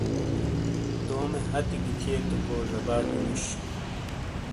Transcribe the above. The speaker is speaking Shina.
تومے ہتھی گی تھیئتے کو زباٹی نُوش۔